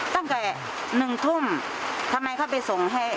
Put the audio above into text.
ตั้งแต่๑ทุ่มทำไมเขาไปส่งให้